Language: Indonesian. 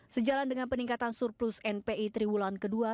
sejalan dengan peningkatan surplus npi triwulan kedua